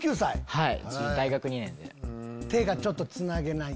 はい！